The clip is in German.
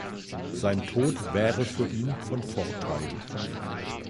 Sein Tod wäre für ihn von Vorteil.